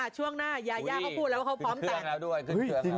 ช่วงหน้ายายาเขาพูดแล้วว่าเขาพร้อมต่าง